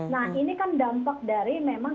nah ini kan dampak dari memang